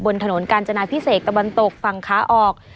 บนถนนกาญจนาพิเศษตะวันตกฝั่งขาออก